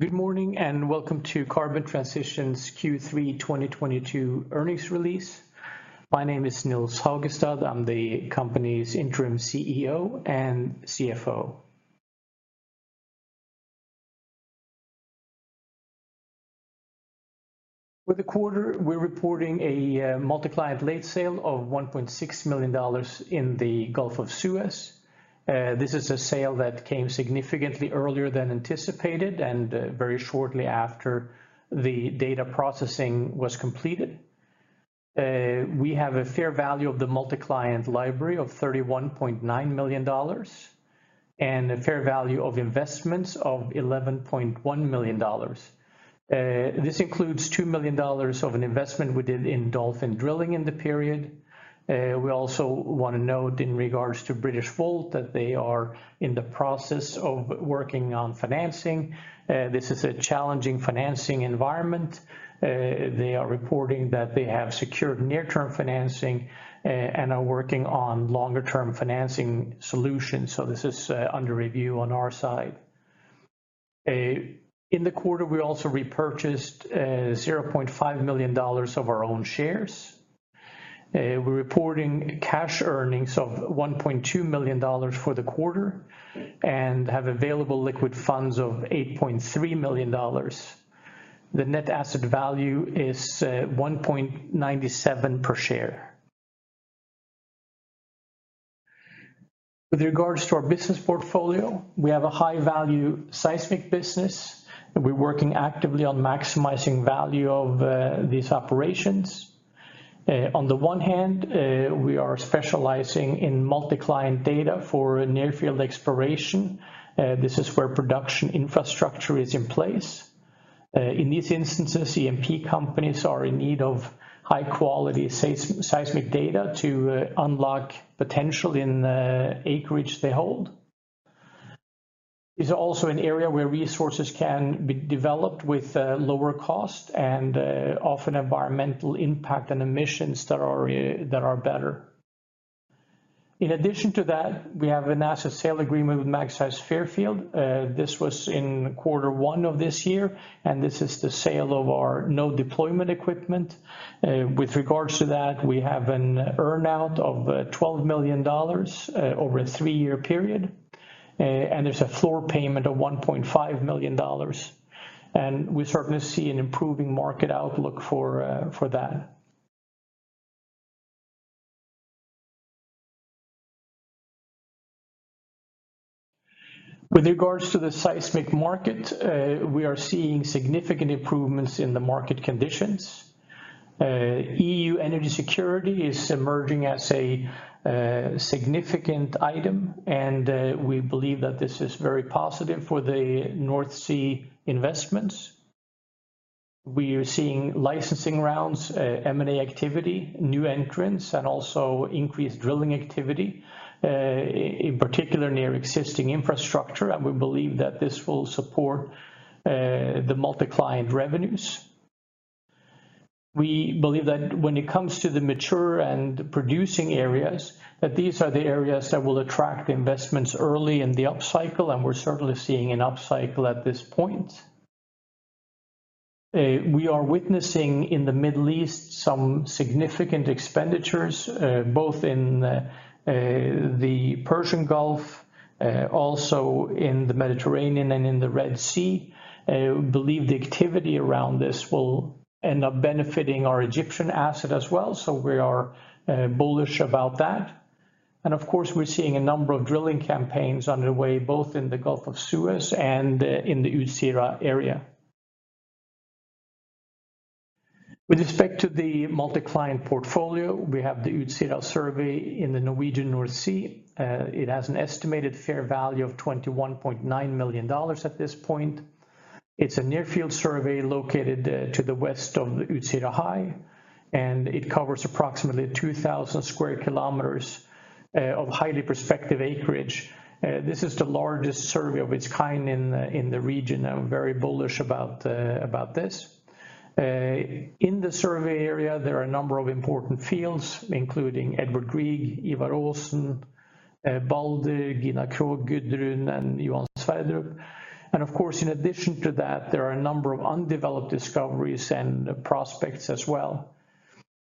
Good morning and welcome to Carbon Transition's Q3 2022 earnings release. My name is Nils Haugestad. I'm the company's Interim CEO and CFO. With the quarter, we're reporting a multi-client late sale of $1.6 million in the Gulf of Suez. This is a sale that came significantly earlier than anticipated and very shortly after the data processing was completed. We have a fair value of the multi-client library of $31.9 million and a fair value of investments of $11.1 million. This includes $2 million of an investment we did in Dolphin Drilling in the period. We also wanna note in regards to Britishvolt that they are in the process of working on financing. This is a challenging financing environment. They are reporting that they have secured near-term financing and are working on longer-term financing solutions. This is under review on our side. In the quarter, we also repurchased $0.5 million of our own shares. We're reporting cash earnings of $1.2 million for the quarter and have available liquid funds of $8.3 million. The net asset value is $1.97 per share. With regards to our business portfolio, we have a high-value seismic business, and we're working actively on maximizing value of these operations. On the one hand, we are specializing in multi-client data for near-field exploration. This is where production infrastructure is in place. In these instances, E&P companies are in need of high-quality seismic data to unlock potential in the acreage they hold. It's also an area where resources can be developed with lower cost and often environmental impact and emissions that are better. In addition to that, we have an asset sale agreement with Magseis Fairfield. This was in Q1 of this year, and this is the sale of our node deployment equipment. With regards to that, we have an earn-out of $12 million over a 3-year period. There's a floor payment of $1.5 million. We're starting to see an improving market outlook for that. With regards to the seismic market, we are seeing significant improvements in the market conditions. EU energy security is emerging as a significant item, and we believe that this is very positive for the North Sea investments. We are seeing licensing rounds, M&A activity, new entrants, and also increased drilling activity, in particular near existing infrastructure. We believe that this will support the multi-client revenues. We believe that when it comes to the mature and producing areas, that these are the areas that will attract investments early in the upcycle, and we're certainly seeing an upcycle at this point. We are witnessing in the Middle East some significant expenditures, both in the Persian Gulf, also in the Mediterranean and in the Red Sea. We believe the activity around this will end up benefiting our Egyptian asset as well, so we are bullish about that. Of course, we're seeing a number of drilling campaigns underway, both in the Gulf of Suez and in the Utsira area. With respect to the multi-client portfolio, we have the Utsira survey in the Norwegian North Sea. It has an estimated fair value of $21.9 million at this point. It's a near field survey located to the west of the Utsira High, and it covers approximately 2,000 square kilometers of highly prospective acreage. This is the largest survey of its kind in the region, and we're very bullish about this. In the survey area, there are a number of important fields, including Edvard Grieg, Ivar Aasen, Balder, Gina Krog, Gudrun, and Johan Sverdrup. Of course, in addition to that, there are a number of undeveloped discoveries and prospects as well.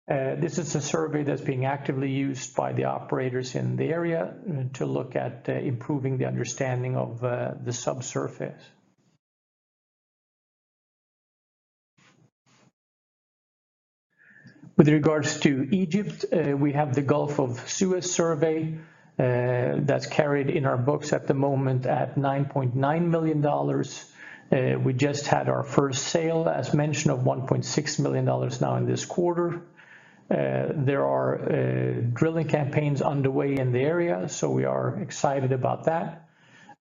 This is a survey that's being actively used by the operators in the area to look at improving the understanding of the subsurface. With regards to Egypt, we have the Gulf of Suez survey that's carried in our books at the moment at $9.9 million. We just had our first sale, as mentioned, of $1.6 million now in this quarter. There are drilling campaigns underway in the area, so we are excited about that.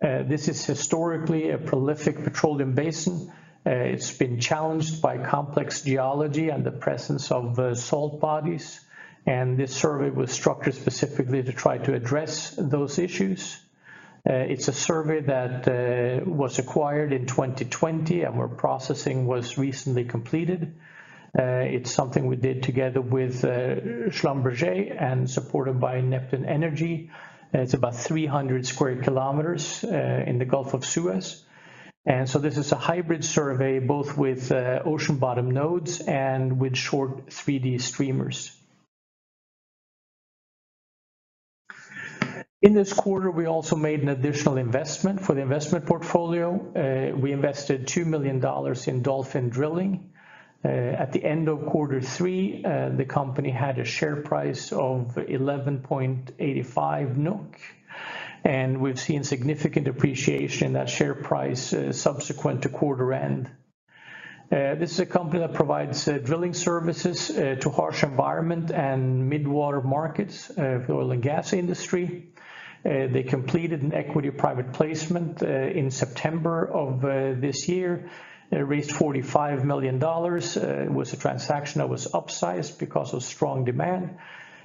This is historically a prolific petroleum basin. It's been challenged by complex geology and the presence of salt bodies, and this survey was structured specifically to try to address those issues. It's a survey that was acquired in 2020, and where processing was recently completed. It's something we did together with Schlumberger and supported by Neptune Energy. It's about 300 square kilometers in the Gulf of Suez. This is a hybrid survey, both with ocean bottom nodes and with short 3D streamers. In this quarter, we also made an additional investment for the investment portfolio. We invested $2 million in Dolphin Drilling. At the end of Q3, the company had a share price of 11.85 million NOK, and we've seen significant appreciation that share price subsequent to quarter end. This is a company that provides drilling services to harsh environment and mid-water markets for oil and gas industry. They completed an equity private placement in September of this year. It raised $45 million. It was a transaction that was upsized because of strong demand.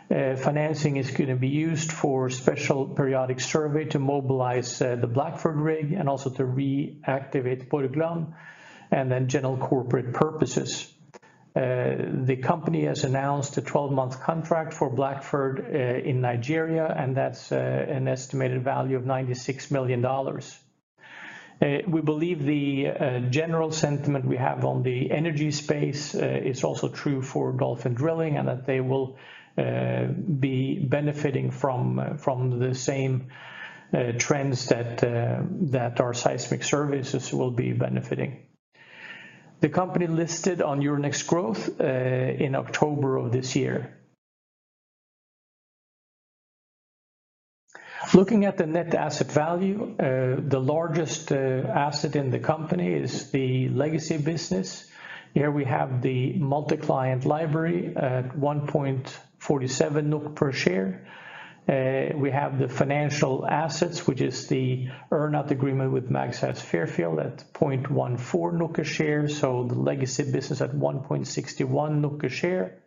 Financing is gonna be used for Special Periodic Survey to mobilize the Blackford Dolphin rig and also to reactivate the Borgland Dolphin, and then general corporate purposes. The company has announced a 12-month contract for Blackford Dolphin in Nigeria, and that's an estimated value of $96 million. We believe the general sentiment we have on the energy space is also true for Dolphin Drilling, and that they will be benefiting from the same trends that our seismic services will be benefiting. The company listed on Euronext Growth in October of this year. Looking at the net asset value, the largest asset in the company is the legacy business. Here we have the multi-client library at 1.47 million NOK per share. We have the financial assets, which is the earn out agreement with Magseis Fairfield at 0.14 million per share. The legacy business at 1.61 million per share.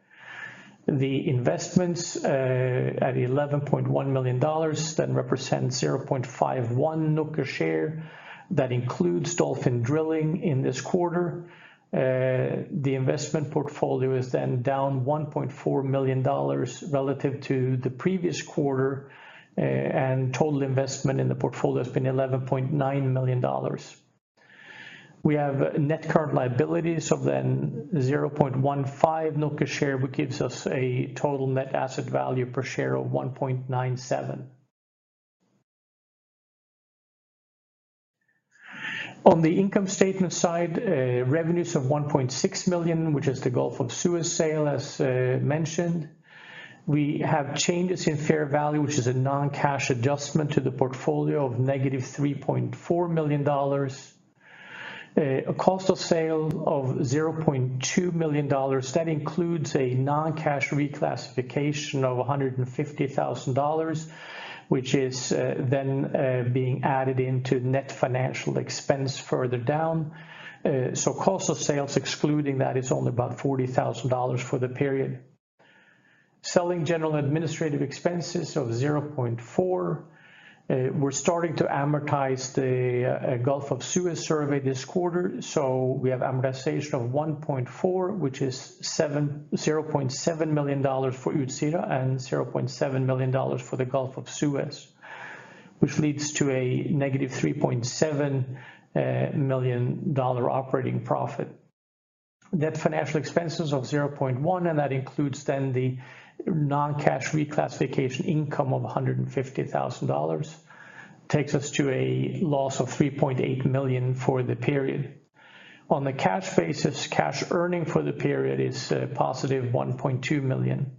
The investments at $11.1 million, that represents 0.51 million NOK per share. That includes Dolphin Drilling in this quarter. The investment portfolio is then down $1.4 million relative to the previous quarter, and total investment in the portfolio has been $11.9 million. We have net current liabilities of then 0.15 million per share, which gives us a total net asset value per share of 1.97 miilion. On the income statement side, revenues of $1.6 million, which is the Gulf of Suez sale, as mentioned. We have changes in fair value, which is a non-cash adjustment to the portfolio of -$3.4 million. A cost of sale of $0.2 million. That includes a non-cash reclassification of $150,000, which is then being added into net financial expense further down. Cost of sales, excluding that, is only about $40,000 for the period. Selling general administrative expenses of $0.4 million. We're starting to amortize the Gulf of Suez survey this quarter, so we have amortization of $1.4 million, which is $0.7 million for Utsira and $0.7 million for the Gulf of Suez, which leads to a -$3.7 million operating profit. Net financial expenses of $0.1 million, and that includes then the non-cash reclassification income of $150,000. Takes us to a loss of $3.8 million for the period. On the cash basis, cash earnings for the period is positive $1.2 million.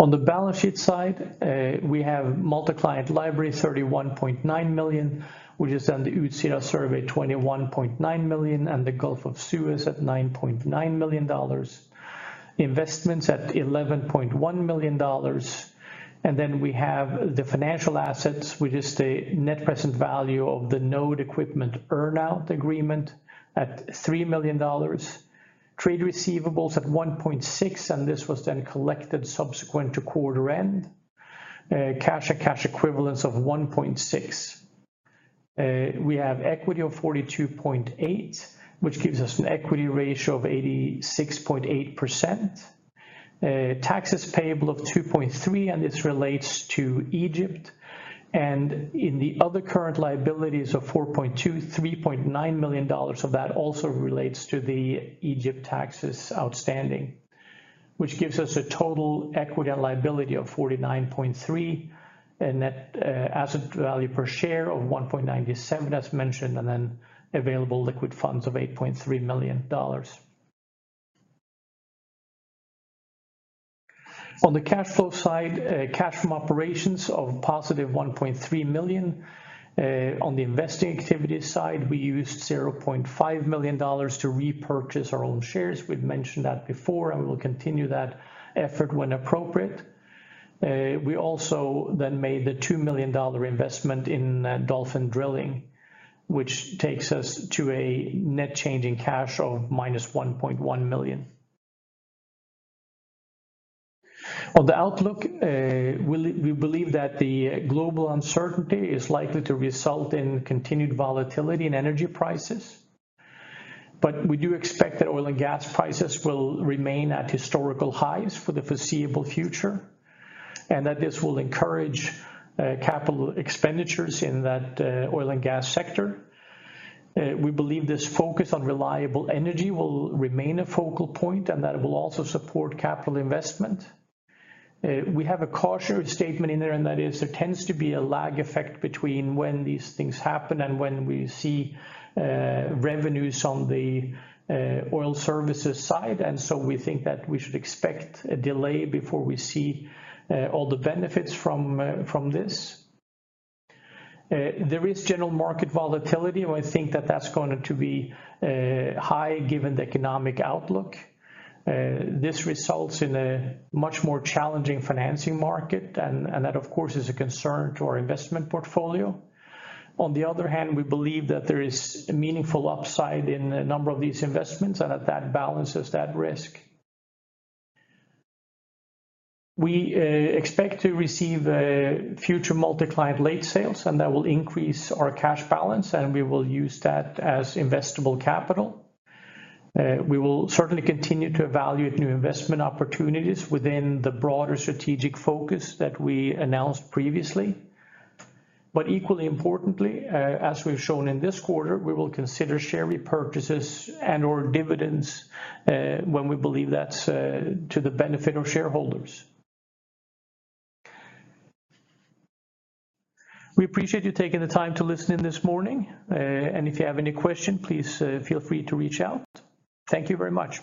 On the balance sheet side, we have multi-client library $31.9 million, which is then the Utsira survey $21.9 million, and the Gulf of Suez at $9.9 million. Investments at $11.1 million. Then we have the financial assets, which is the net present value of the node equipment earn-out agreement at $3 million. Trade receivables at $1.6 million, and this was then collected subsequent to quarter end. Cash and cash equivalents of $1.6 million. We have equity of 42.8 million, which gives us an equity ratio of 86.8%. Taxes payable of 2.3 million, and this relates to Egypt. In the other current liabilities of 4.2 million, $3.9 million of that also relates to the Egyptian taxes outstanding, which gives us a total equity and liability of 49.3 million, a net asset value per share of 1.97 million, as mentioned, and then available liquid funds of $8.3 million. On the cash flow side, cash from operations of positive 1.3 million. On the investing activity side, we used $0.5 million to repurchase our own shares. We've mentioned that before, and we'll continue that effort when appropriate. We also made the $2 million investment in Dolphin Drilling, which takes us to a net change in cash of -$1.1 million. On the outlook, we believe that the global uncertainty is likely to result in continued volatility in energy prices. We do expect that oil and gas prices will remain at historical highs for the foreseeable future, and that this will encourage capital expenditures in that oil and gas sector. We believe this focus on reliable energy will remain a focal point and that it will also support capital investment. We have a cautious statement in there, and that is there tends to be a lag effect between when these things happen and when we see revenues on the oil services side. We think that we should expect a delay before we see all the benefits from this. There is general market volatility. I think that that's going to be high given the economic outlook. This results in a much more challenging financing market, and that of course is a concern to our investment portfolio. On the other hand, we believe that there is a meaningful upside in a number of these investments and that that balances that risk. We expect to receive future multi-client late sales, and that will increase our cash balance, and we will use that as investable capital. We will certainly continue to evaluate new investment opportunities within the broader strategic focus that we announced previously. Equally importantly, as we've shown in this quarter, we will consider share repurchases and/or dividends, when we believe that's to the benefit of shareholders. We appreciate you taking the time to listen in this morning. If you have any questions, please feel free to reach out. Thank you very much.